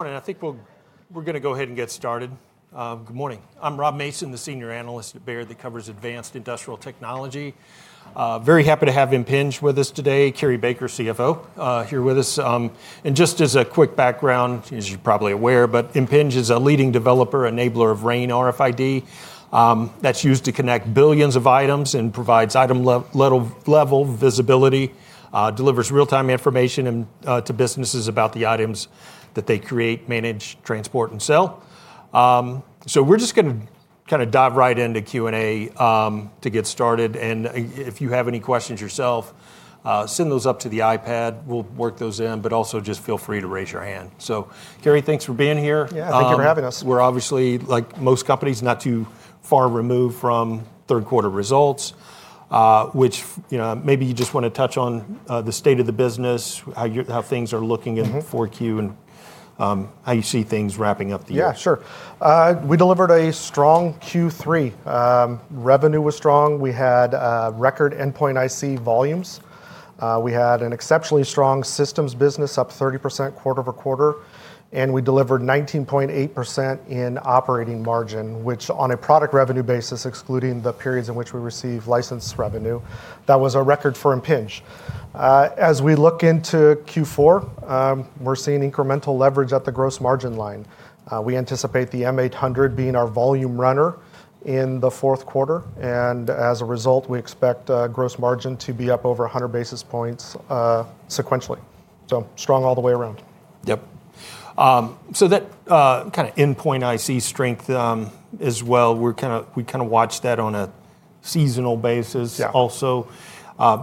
I think we're going to go ahead and get started. Good morning. I'm Rob Mason, the Senior Analyst at Baird that covers advanced industrial technology. Very happy to have Impinj with us today. Cary Baker, CFO, here with us. Just as a quick background, as you're probably aware, but Impinj is a leading developer enabler of RAIN RFID that's used to connect billions of items and provides item-level visibility, delivers real-time information to businesses about the items that they create, manage, transport, and sell. We're just going to kind of dive right into Q&A to get started. If you have any questions yourself, send those up to the iPad. We'll work those in, but also just feel free to raise your hand. Cary, thanks for being here. Yeah, thank you for having us. We're obviously, like most companies, not too far removed from third-quarter results, which maybe you just want to touch on the state of the business, how things are looking in 4Q, and how you see things wrapping up the year. Yeah, sure. We delivered a strong Q3. Revenue was strong. We had record endpoint IC volumes. We had an exceptionally strong systems business, up 30% quarter-over-quarter. We delivered 19.8% in operating margin, which on a product revenue basis, excluding the periods in which we received license revenue, that was a record for Impinj. As we look into Q4, we're seeing incremental leverage at the gross margin line. We anticipate the M800 being our volume runner in the fourth quarter. As a result, we expect gross margin to be up over 100 basis points sequentially. Strong all the way around. Yep. So that kind of endpoint IC strength as well, we kind of watch that on a seasonal basis also.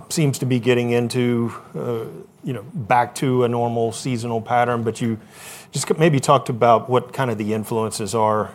Seems to be getting back to a normal seasonal pattern. Could you just maybe talk about what kind of the influences are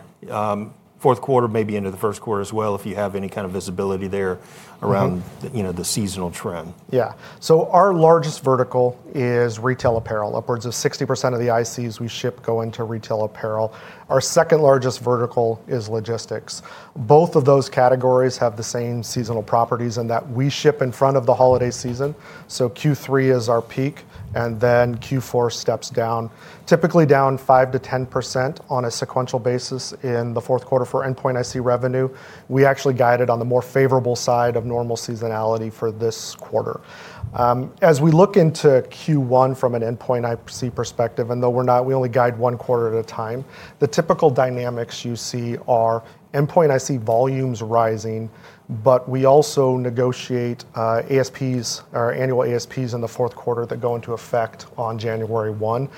fourth quarter, maybe into the first quarter as well, if you have any kind of visibility there around the seasonal trend. Yeah. Our largest vertical is retail apparel. Upwards of 60% of the ICs we ship go into retail apparel. Our second largest vertical is logistics. Both of those categories have the same seasonal properties in that we ship in front of the holiday season. Q3 is our peak, and then Q4 steps down, typically down 5%-10% on a sequential basis in the fourth quarter for endpoint IC revenue. We actually guided on the more favorable side of normal seasonality for this quarter. As we look into Q1 from an endpoint IC perspective, and though we only guide one quarter at a time, the typical dynamics you see are endpoint IC volumes rising, but we also negotiate ASPs, our annual ASPs in the fourth quarter that go into effect on January 1.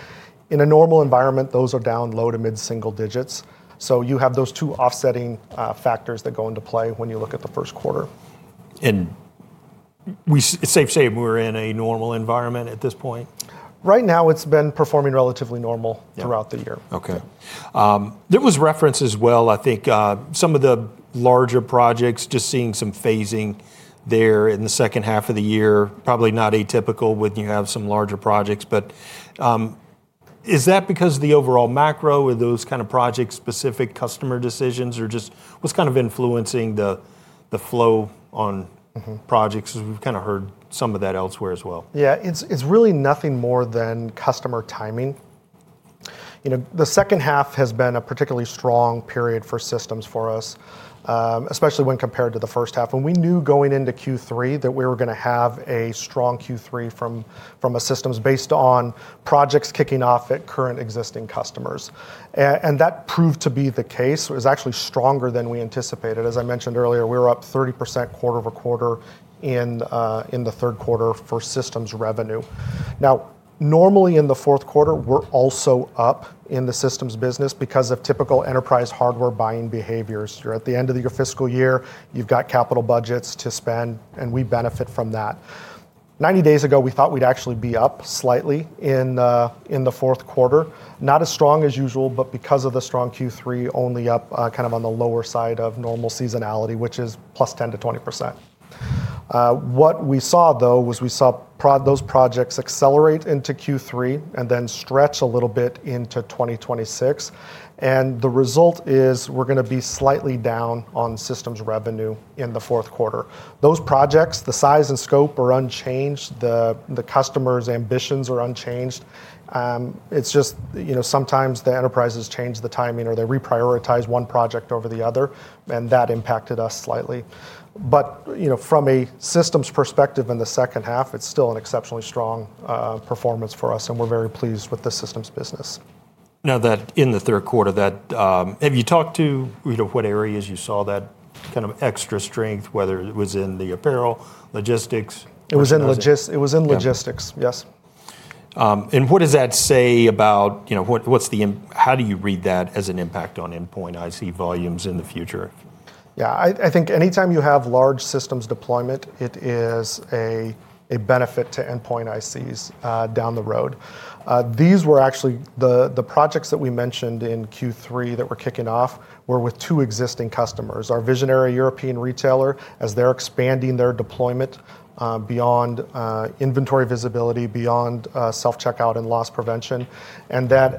In a normal environment, those are down low to mid-single digits. You have those two offsetting factors that go into play when you look at the first quarter. Safe to say we're in a normal environment at this point? Right now, it's been performing relatively normal throughout the year. Okay. There was reference as well, I think, some of the larger projects, just seeing some phasing there in the second half of the year, probably not atypical when you have some larger projects. Is that because of the overall macro or those kind of project-specific customer decisions, or just what's kind of influencing the flow on projects? We've kind of heard some of that elsewhere as well. Yeah, it's really nothing more than customer timing. The second half has been a particularly strong period for systems for us, especially when compared to the first half. We knew going into Q3 that we were going to have a strong Q3 from a systems based on projects kicking off at current existing customers. That proved to be the case. It was actually stronger than we anticipated. As I mentioned earlier, we were up 30% quarter-over-quarter in the third quarter for systems revenue. Normally in the fourth quarter, we're also up in the systems business because of typical enterprise hardware buying behaviors. You're at the end of your fiscal year, you've got capital budgets to spend, and we benefit from that. Ninety days ago, we thought we'd actually be up slightly in the fourth quarter, not as strong as usual, but because of the strong Q3, only up kind of on the lower side of normal seasonality, which is +10%-20%. What we saw, though, was we saw those projects accelerate into Q3 and then stretch a little bit into 2026. The result is we're going to be slightly down on systems revenue in the fourth quarter. Those projects, the size and scope are unchanged. The customer's ambitions are unchanged. It's just sometimes the enterprises change the timing or they reprioritize one project over the other, and that impacted us slightly. From a systems perspective in the second half, it's still an exceptionally strong performance for us, and we're very pleased with the systems business. Now, in the third quarter, have you talked to what areas you saw that kind of extra strength, whether it was in the apparel, logistics? It was in logistics, yes. What does that say about how do you read that as an impact on endpoint IC volumes in the future? Yeah, I think anytime you have large systems deployment, it is a benefit to endpoint ICs down the road. These were actually the projects that we mentioned in Q3 that were kicking off were with two existing customers, our visionary European retailer as they're expanding their deployment beyond inventory visibility, beyond self-checkout and loss prevention, and then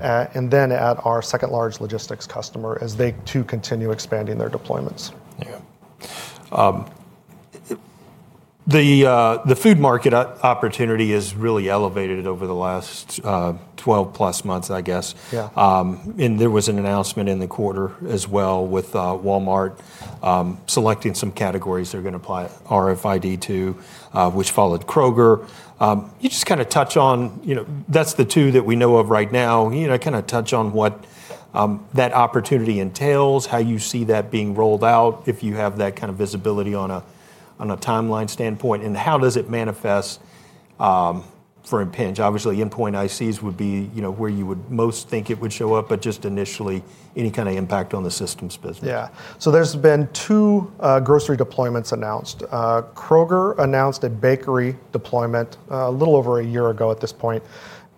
at our second-largest logistics customer as they too continue expanding their deployments. Yeah. The food market opportunity is really elevated over the last 12+ months, I guess. There was an announcement in the quarter as well with Walmart selecting some categories they're going to apply RFID to, which followed Kroger. You just kind of touch on that's the two that we know of right now. You kind of touch on what that opportunity entails, how you see that being rolled out if you have that kind of visibility on a timeline standpoint, and how does it manifest for Impinj? Obviously, endpoint ICs would be where you would most think it would show up, but just initially, any kind of impact on the systems business. Yeah. There have been two grocery deployments announced. Kroger announced a bakery deployment a little over a year ago at this point.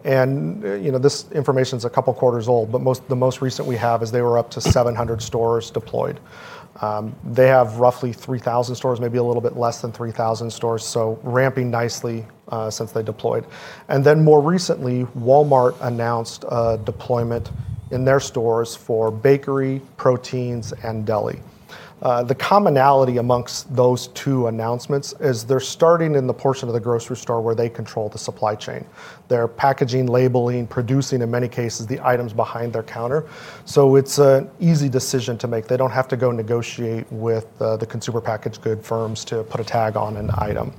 This information is a couple quarters old, but the most recent we have is they were up to 700 stores deployed. They have roughly 3,000 stores, maybe a little bit less than 3,000 stores, so ramping nicely since they deployed. More recently, Walmart announced a deployment in their stores for bakery, proteins, and deli. The commonality amongst those two announcements is they're starting in the portion of the grocery store where they control the supply chain. They're packaging, labeling, producing, in many cases, the items behind their counter. It's an easy decision to make. They don't have to go negotiate with the consumer packaged good firms to put a tag on an item.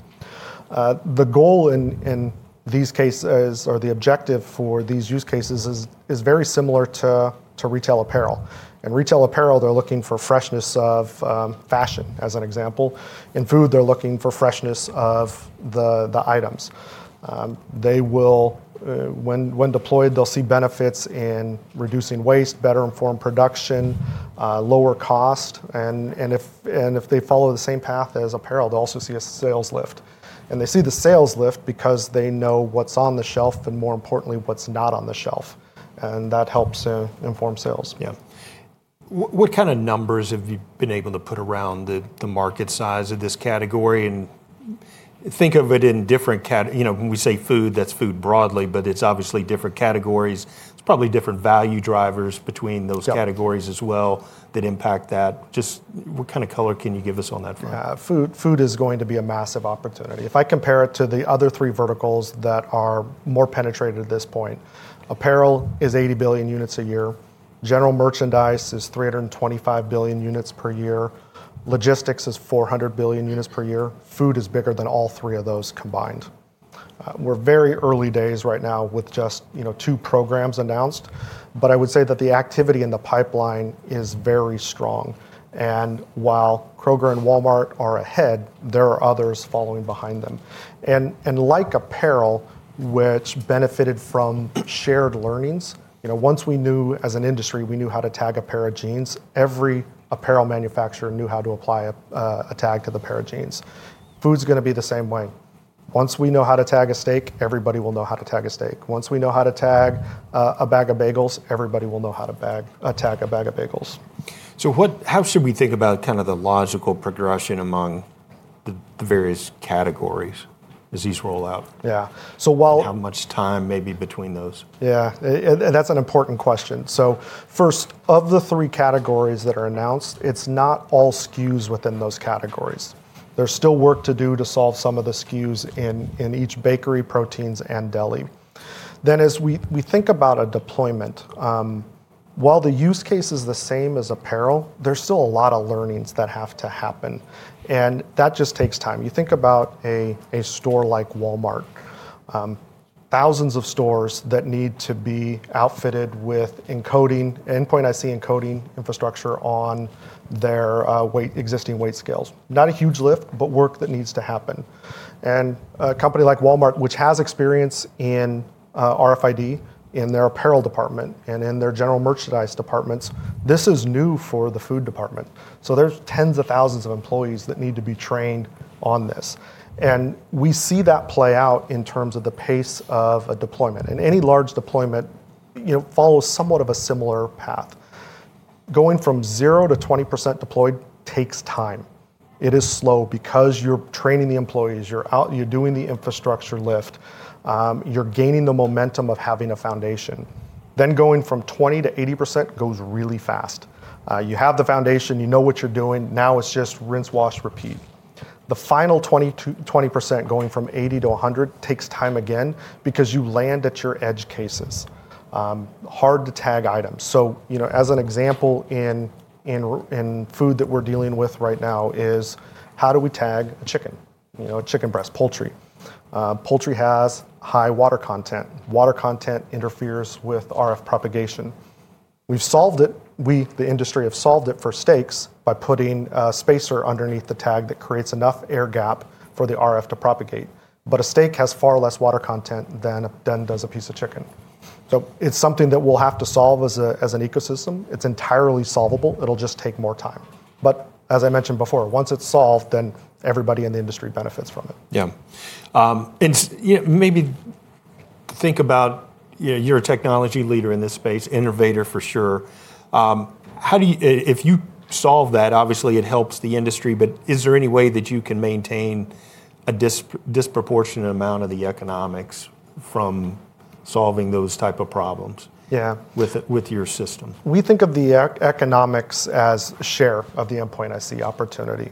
The goal in these cases or the objective for these use cases is very similar to retail apparel. In retail apparel, they're looking for freshness of fashion, as an example. In food, they're looking for freshness of the items. When deployed, they'll see benefits in reducing waste, better informed production, lower cost. If they follow the same path as apparel, they'll also see a sales lift. They see the sales lift because they know what's on the shelf and, more importantly, what's not on the shelf. That helps inform sales. Yeah. What kind of numbers have you been able to put around the market size of this category? Think of it in different, when we say food, that's food broadly, but it's obviously different categories. There's probably different value drivers between those categories as well that impact that. Just what kind of color can you give us on that front? Yeah, food is going to be a massive opportunity. If I compare it to the other three verticals that are more penetrated at this point, apparel is 80 billion units a year. General merchandise is 325 billion units per year. Logistics is 400 billion units per year. Food is bigger than all three of those combined. We're very early days right now with just two programs announced, but I would say that the activity in the pipeline is very strong. While Kroger and Walmart are ahead, there are others following behind them. Like apparel, which benefited from shared learnings, once we knew as an industry, we knew how to tag a pair of jeans, every apparel manufacturer knew how to apply a tag to the pair of jeans. Food's going to be the same way. Once we know how to tag a steak, everybody will know how to tag a steak. Once we know how to tag a bag of bagels, everybody will know how to tag a bag of bagels. How should we think about kind of the logical progression among the various categories as these roll out? Yeah. So while. How much time may be between those? Yeah. That's an important question. First, of the three categories that are announced, it's not all SKUs within those categories. There's still work to do to solve some of the SKUs in each bakery, proteins, and deli. As we think about a deployment, while the use case is the same as apparel, there's still a lot of learnings that have to happen. That just takes time. You think about a store like Walmart, thousands of stores that need to be outfitted with encoding, endpoint IC encoding infrastructure on their existing weight scales. Not a huge lift, but work that needs to happen. A company like Walmart, which has experience in RFID in their apparel department and in their general merchandise departments, this is new for the food department. There are tens of thousands of employees that need to be trained on this. We see that play out in terms of the pace of a deployment. Any large deployment follows somewhat of a similar path. Going from 0% to 20% deployed takes time. It is slow because you're training the employees, you're doing the infrastructure lift, you're gaining the momentum of having a foundation. Going from 20% to 80% goes really fast. You have the foundation, you know what you're doing. Now it's just rinse, wash, repeat. The final 20%, going from 80% to 100%, takes time again because you land at your edge cases, hard-to-tag items. As an example in food that we're dealing with right now is how do we tag a chicken, a chicken breast, poultry? Poultry has high water content. Water content interferes with RF propagation. We've solved it. We, the industry, have solved it for steaks by putting a spacer underneath the tag that creates enough air gap for the RF to propagate. A steak has far less water content than does a piece of chicken. It is something that we will have to solve as an ecosystem. It is entirely solvable. It will just take more time. As I mentioned before, once it is solved, then everybody in the industry benefits from it. Yeah. Maybe think about you're a technology leader in this space, innovator for sure. If you solve that, obviously it helps the industry, but is there any way that you can maintain a disproportionate amount of the economics from solving those types of problems with your system? We think of the economics as share of the endpoint IC opportunity.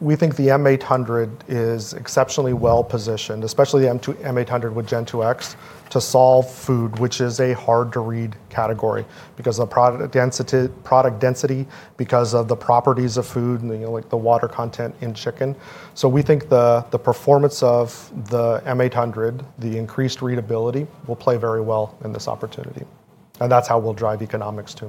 We think the M800 is exceptionally well positioned, especially the M800 with Gen2X, to solve food, which is a hard-to-read category because of the product density, because of the properties of food, like the water content in chicken. We think the performance of the M800, the increased readability, will play very well in this opportunity. That is how we will drive economics to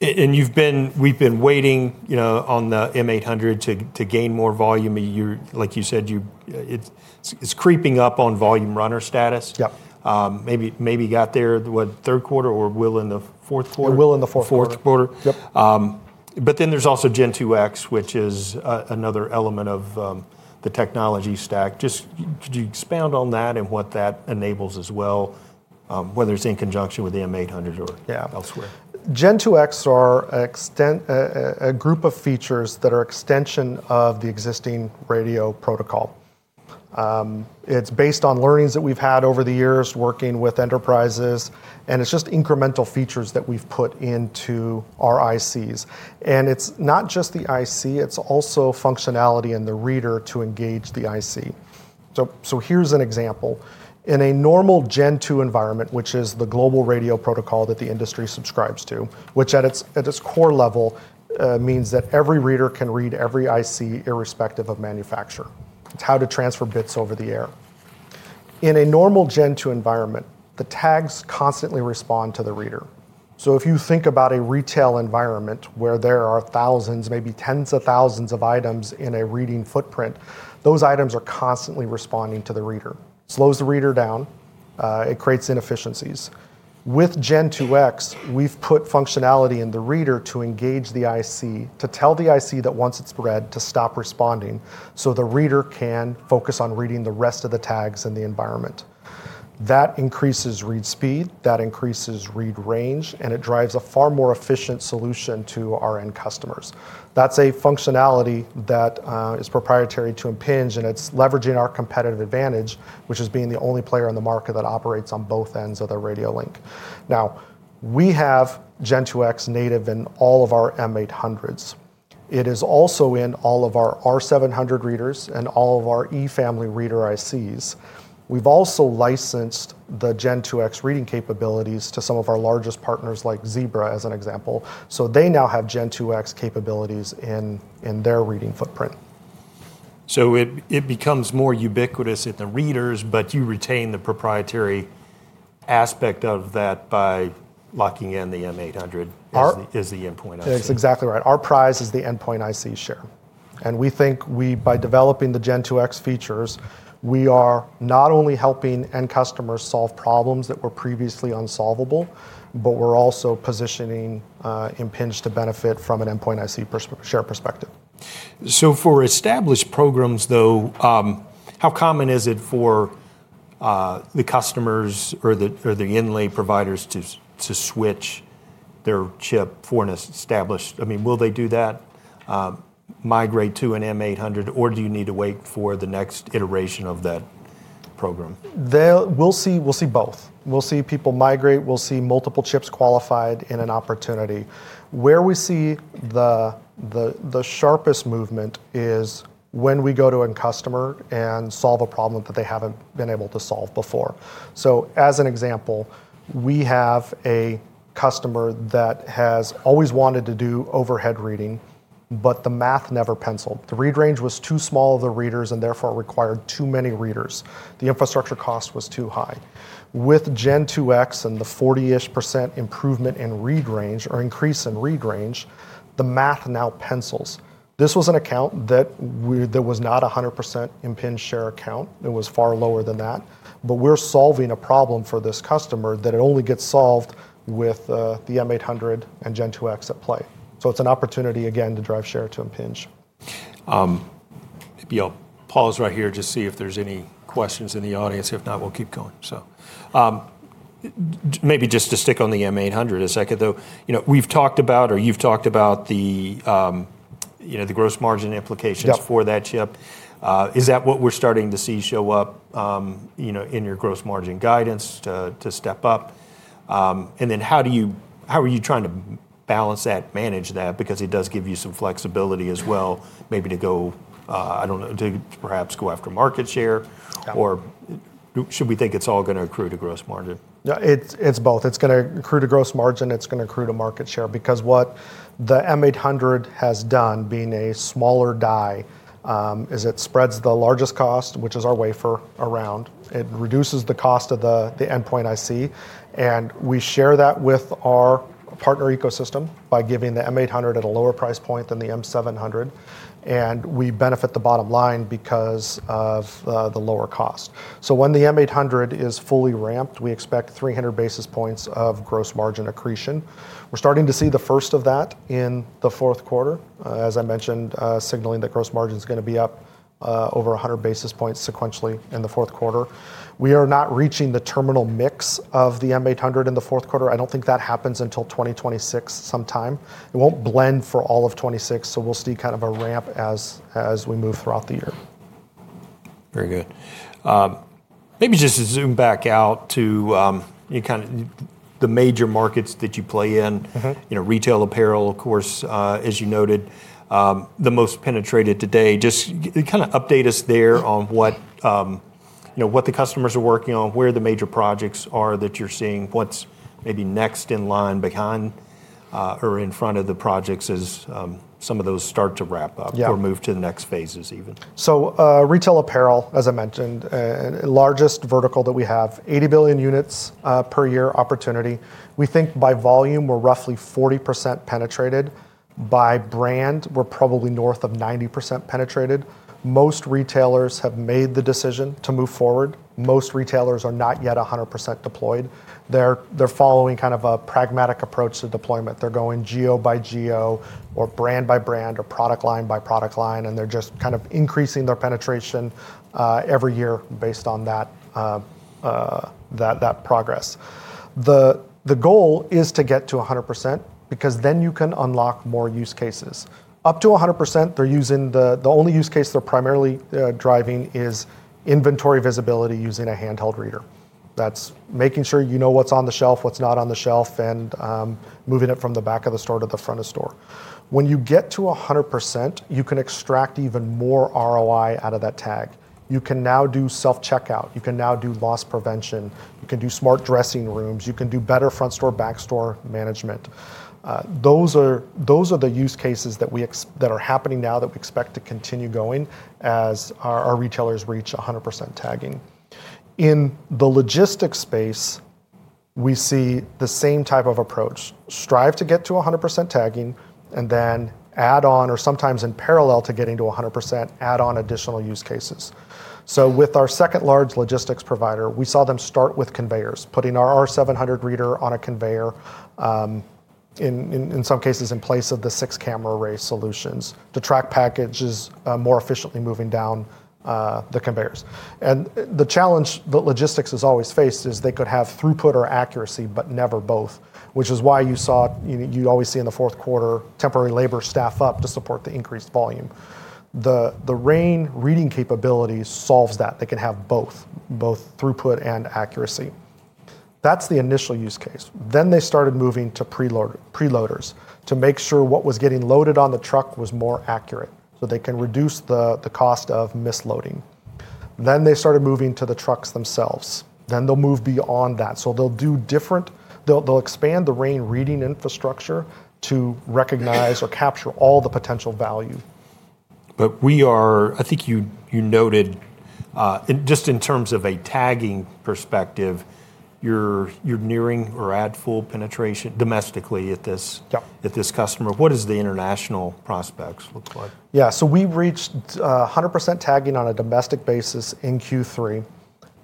Impinj. We've been waiting on the M800 to gain more volume. Like you said, it's creeping up on volume runner status. Maybe got there third quarter or will in the fourth quarter. Will in the fourth quarter. Fourth quarter. There is also Gen2X, which is another element of the technology stack. Could you expand on that and what that enables as well, whether it is in conjunction with the M800 or elsewhere? Gen2X are a group of features that are extension of the existing radio protocol. It's based on learnings that we've had over the years working with enterprises. It's just incremental features that we've put into our ICs. It's not just the IC, it's also functionality in the reader to engage the IC. Here's an example. In a normal Gen2 environment, which is the global radio protocol that the industry subscribes to, which at its core level means that every reader can read every IC irrespective of manufacturer. It's how to transfer bits over the air. In a normal Gen2 environment, the tags constantly respond to the reader. If you think about a retail environment where there are thousands, maybe tens of thousands of items in a reading footprint, those items are constantly responding to the reader. Slows the reader down. It creates inefficiencies. With Gen2X, we've put functionality in the reader to engage the IC, to tell the IC that once it's read to stop responding so the reader can focus on reading the rest of the tags in the environment. That increases read speed, that increases read range, and it drives a far more efficient solution to our end customers. That's a functionality that is proprietary to Impinj, and it's leveraging our competitive advantage, which is being the only player in the market that operates on both ends of the radio link. Now, we have Gen2X native in all of our M800s. It is also in all of our R700 readers and all of our E-family reader ICs. We've also licensed the Gen2X reading capabilities to some of our largest partners like Zebra, as an example. They now have Gen2X capabilities in their reading footprint. It becomes more ubiquitous in the readers, but you retain the proprietary aspect of that by locking in the M800 as the endpoint IC. That's exactly right. Our prize is the endpoint IC share. We think by developing the Gen2X features, we are not only helping end customers solve problems that were previously unsolvable, but we're also positioning Impinj to benefit from an endpoint IC share perspective. For established programs, though, how common is it for the customers or the inlay providers to switch their chip for an established—I mean, will they do that, migrate to an M800, or do you need to wait for the next iteration of that program? We'll see both. We'll see people migrate. We'll see multiple chips qualified in an opportunity. Where we see the sharpest movement is when we go to end customer and solve a problem that they haven't been able to solve before. As an example, we have a customer that has always wanted to do overhead reading, but the math never penciled. The read range was too small of the readers and therefore required too many readers. The infrastructure cost was too high. With Gen2X and the 40-ish percent improvement in read range, or increase in read range, the math now pencils. This was an account that was not a 100% Impinj share account. It was far lower than that. We're solving a problem for this customer that only gets solved with the M800 and Gen2X at play. It's an opportunity, again, to drive share to Impinj. Maybe I'll pause right here to see if there's any questions in the audience. If not, we'll keep going. Maybe just to stick on the M800 a second, though, we've talked about, or you've talked about the gross margin implications for that chip. Is that what we're starting to see show up in your gross margin guidance to step up? How are you trying to balance that, manage that? Because it does give you some flexibility as well, maybe to go, I don't know, to perhaps go after market share. Or should we think it's all going to accrue to gross margin? It's both. It's going to accrue to gross margin. It's going to accrue to market share. Because what the M800 has done, being a smaller die, is it spreads the largest cost, which is our wafer, around. It reduces the cost of the endpoint IC. And we share that with our partner ecosystem by giving the M800 at a lower price point than the M700. And we benefit the bottom line because of the lower cost. When the M800 is fully ramped, we expect 300 basis points of gross margin accretion. We're starting to see the first of that in the fourth quarter, as I mentioned, signaling that gross margin is going to be up over 100 basis points sequentially in the fourth quarter. We are not reaching the terminal mix of the M800 in the fourth quarter. I don't think that happens until 2026 sometime. It won't blend for all of 2026. We'll see kind of a ramp as we move throughout the year. Very good. Maybe just to zoom back out to kind of the major markets that you play in, retail, apparel, of course, as you noted, the most penetrated today. Just kind of update us there on what the customers are working on, where the major projects are that you're seeing, what's maybe next in line behind or in front of the projects as some of those start to wrap up or move to the next phases even. Retail apparel, as I mentioned, largest vertical that we have, $80 billion units per year opportunity. We think by volume, we're roughly 40% penetrated. By brand, we're probably north of 90% penetrated. Most retailers have made the decision to move forward. Most retailers are not yet 100% deployed. They're following kind of a pragmatic approach to deployment. They're going geo by geo or brand by brand or product line by product line. They're just kind of increasing their penetration every year based on that progress. The goal is to get to 100% because then you can unlock more use cases. Up to 100%, they're using the only use case they're primarily driving is inventory visibility using a handheld reader. That's making sure you know what's on the shelf, what's not on the shelf, and moving it from the back of the store to the front of store. When you get to 100%, you can extract even more ROI out of that tag. You can now do self-checkout. You can now do loss prevention. You can do smart dressing rooms. You can do better front store, back store management. Those are the use cases that are happening now that we expect to continue going as our retailers reach 100% tagging. In the logistics space, we see the same type of approach. Strive to get to 100% tagging and then add on, or sometimes in parallel to getting to 100%, add on additional use cases. With our second-large logistics provider, we saw them start with conveyors, putting our R700 reader on a conveyor, in some cases in place of the six-camera array solutions to track packages more efficiently moving down the conveyors. The challenge that logistics has always faced is they could have throughput or accuracy, but never both, which is why you always see in the fourth quarter temporary labor staff up to support the increased volume. The RAIN reading capability solves that. They can have both, both throughput and accuracy. That's the initial use case. They started moving to preloaders to make sure what was getting loaded on the truck was more accurate so they can reduce the cost of misloading. They started moving to the trucks themselves. They'll move beyond that. They'll expand the RAIN reading infrastructure to recognize or capture all the potential value. I think you noted, just in terms of a tagging perspective, you're nearing or at full penetration domestically at this customer. What does the international prospects look like? Yeah. We reached 100% tagging on a domestic basis in Q3,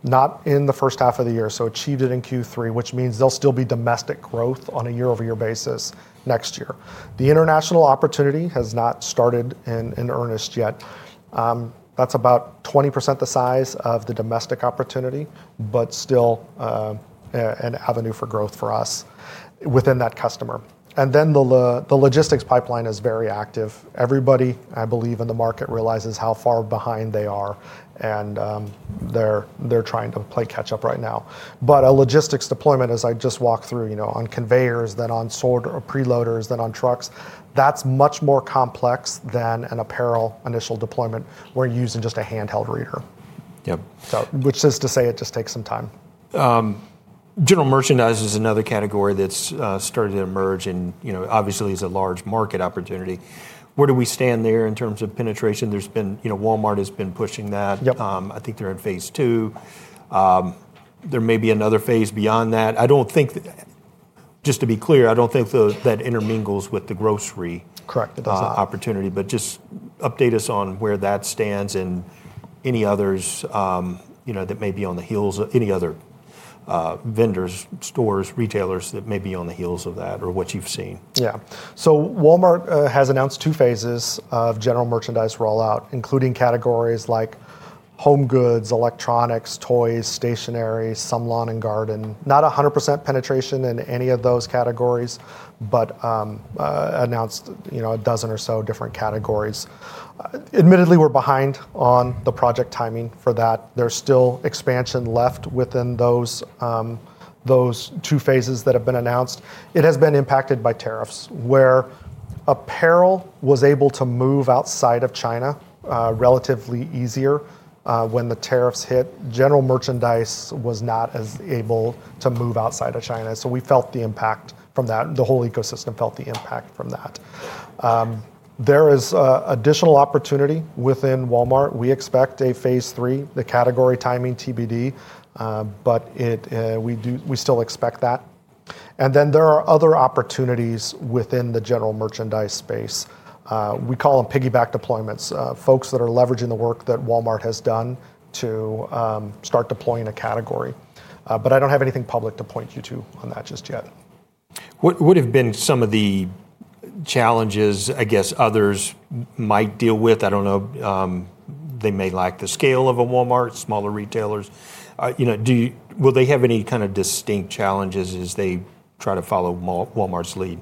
not in the first half of the year. We achieved it in Q3, which means there will still be domestic growth on a year-over-year basis next year. The international opportunity has not started in earnest yet. That is about 20% the size of the domestic opportunity, but still an avenue for growth for us within that customer. The logistics pipeline is very active. Everybody, I believe, in the market realizes how far behind they are. They are trying to play catch-up right now. A logistics deployment, as I just walked through, on conveyors, then on pre-loaders, then on trucks, is much more complex than an apparel initial deployment where you are using just a handheld reader, which is to say it just takes some time. General merchandise is another category that's started to emerge and obviously is a large market opportunity. Where do we stand there in terms of penetration? There's been Walmart has been pushing that. I think they're in phase two. There may be another phase beyond that. Just to be clear, I don't think that intermingles with the grocery opportunity. Just update us on where that stands and any others that may be on the heels of any other vendors, stores, retailers that may be on the heels of that or what you've seen. Yeah. Walmart has announced two phases of general merchandise rollout, including categories like home goods, electronics, toys, stationery, some lawn and garden. Not 100% penetration in any of those categories, but announced a dozen or so different categories. Admittedly, we're behind on the project timing for that. There's still expansion left within those two phases that have been announced. It has been impacted by tariffs where apparel was able to move outside of China relatively easier when the tariffs hit. General merchandise was not as able to move outside of China. So we felt the impact from that. The whole ecosystem felt the impact from that. There is additional opportunity within Walmart. We expect a phase three, the category timing TBD, but we still expect that. And then there are other opportunities within the general merchandise space. We call them piggyback deployments, folks that are leveraging the work that Walmart has done to start deploying a category. I don't have anything public to point you to on that just yet. What have been some of the challenges, I guess, others might deal with? I don't know. They may like the scale of a Walmart, smaller retailers. Will they have any kind of distinct challenges as they try to follow Walmart's lead?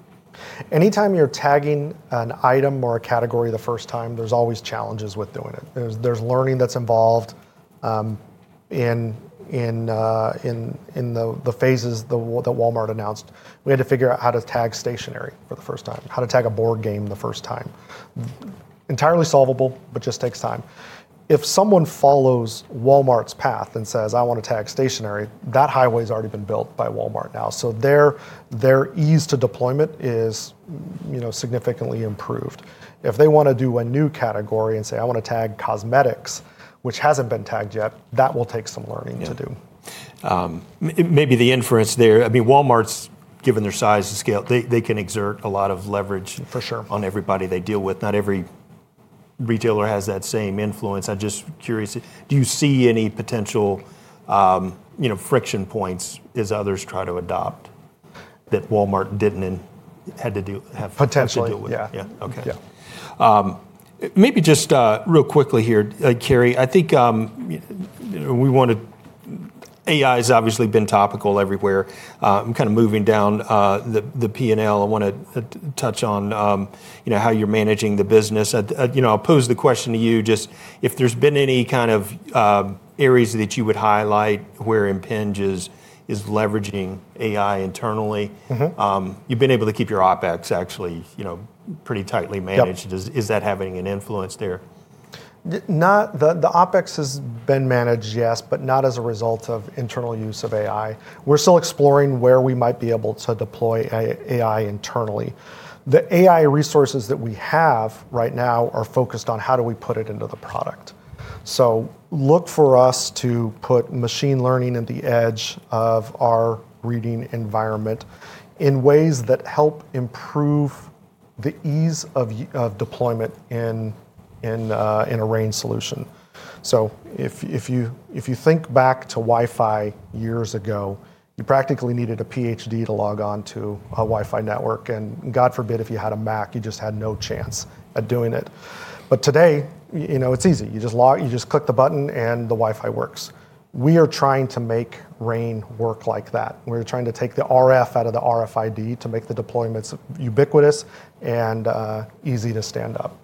Anytime you're tagging an item or a category the first time, there's always challenges with doing it. There's learning that's involved in the phases that Walmart announced. We had to figure out how to tag stationery for the first time, how to tag a board game the first time. Entirely solvable, but just takes time. If someone follows Walmart's path and says, "I want to tag stationery," that highway has already been built by Walmart now. Their ease to deployment is significantly improved. If they want to do a new category and say, "I want to tag cosmetics," which hasn't been tagged yet, that will take some learning to do. Maybe the inference there, I mean, Walmart, given their size and scale, they can exert a lot of leverage on everybody they deal with. Not every retailer has that same influence. I'm just curious, do you see any potential friction points as others try to adopt that Walmart didn't and had to deal with? Potentially, yeah. Okay. Maybe just real quickly here, Cary, I think we want to, AI has obviously been topical everywhere. I'm kind of moving down the P&L. I want to touch on how you're managing the business. I'll pose the question to you, just if there's been any kind of areas that you would highlight where Impinj is leveraging AI internally. You've been able to keep your OpEx actually pretty tightly managed. Is that having an influence there? The OpEx has been managed, yes, but not as a result of internal use of AI. We're still exploring where we might be able to deploy AI internally. The AI resources that we have right now are focused on how do we put it into the product. Look for us to put machine learning at the edge of our reading environment in ways that help improve the ease of deployment in a RAIN solution. If you think back to Wi-Fi years ago, you practically needed a PhD to log on to a Wi-Fi network. God forbid if you had a Mac, you just had no chance at doing it. Today, it's easy. You just click the button and the Wi-Fi works. We are trying to make RAIN work like that. We're trying to take the RF out of the RFID to make the deployments ubiquitous and easy to stand up.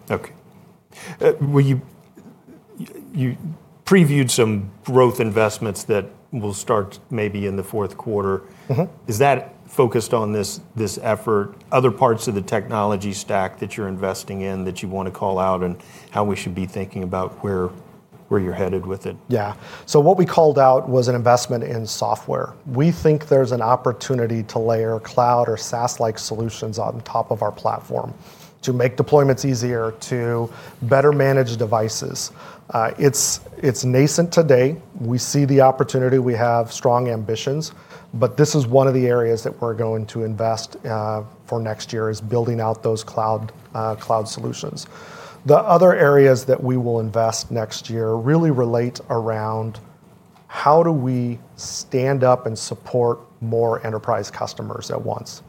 Okay. You previewed some growth investments that will start maybe in the fourth quarter. Is that focused on this effort? Other parts of the technology stack that you're investing in that you want to call out and how we should be thinking about where you're headed with it? Yeah. So what we called out was an investment in software. We think there's an opportunity to layer cloud or SaaS-like solutions on top of our platform to make deployments easier, to better manage devices. It's nascent today. We see the opportunity. We have strong ambitions. This is one of the areas that we're going to invest for next year is building out those cloud solutions. The other areas that we will invest next year really relate around how do we stand up and support more enterprise customers at once.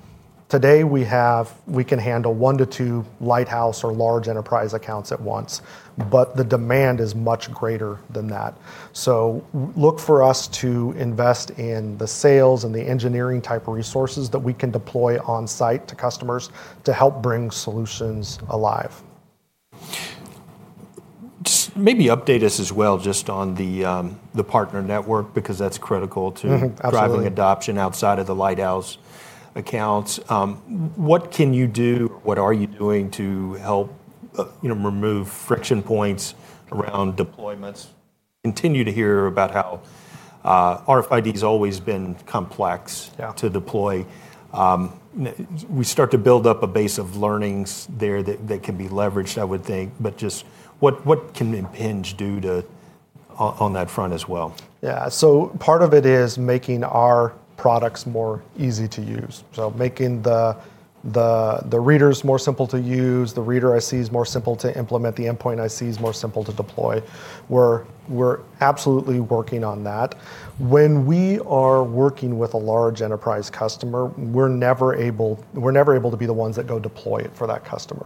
Today, we can handle one to two lighthouse or large enterprise accounts at once, but the demand is much greater than that. Look for us to invest in the sales and the engineering type resources that we can deploy on site to customers to help bring solutions alive. Maybe update us as well just on the partner network because that's critical to driving adoption outside of the lighthouse accounts. What can you do? What are you doing to help remove friction points around deployments? Continue to hear about how RFID has always been complex to deploy. We start to build up a base of learnings there that can be leveraged, I would think. What can Impinj do on that front as well? Yeah. Part of it is making our products more easy to use. Making the readers more simple to use, the reader ICs more simple to implement, the endpoint ICs more simple to deploy. We're absolutely working on that. When we are working with a large enterprise customer, we're never able to be the ones that go deploy it for that customer.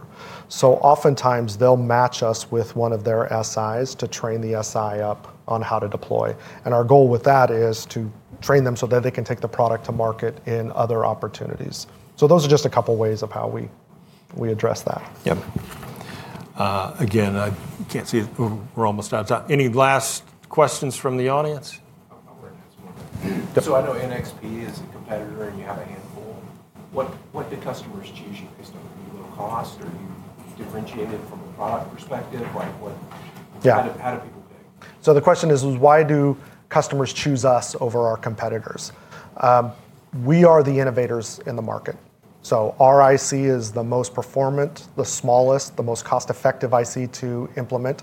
Oftentimes, they'll match us with one of their SIs to train the SI up on how to deploy. Our goal with that is to train them so that they can take the product to market in other opportunities. Those are just a couple of ways of how we address that. Yep. Again, I can't see it. We're almost out of time. Any last questions from the audience? I'm not wearing this one. So I know NXP is a competitor and you have a handful. What do customers choose you based on? Are you low cost? Are you differentiated from a product perspective? How do people pick? The question is, why do customers choose us over our competitors? We are the innovators in the market. Our IC is the most performant, the smallest, the most cost-effective IC to implement.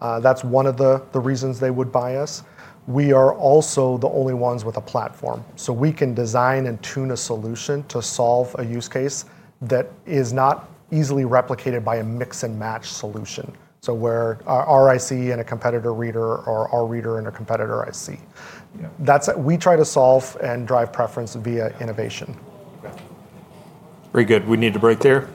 That's one of the reasons they would buy us. We are also the only ones with a platform. We can design and tune a solution to solve a use case that is not easily replicated by a mix-and-match solution. Where our IC and a competitor reader or our reader and a competitor IC, we try to solve and drive preference via innovation. Very good. We need to break there.